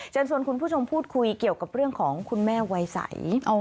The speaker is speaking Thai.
เชิญชวนคุณผู้ชมพูดคุยเกี่ยวกับเรื่องของคุณแม่วัยใส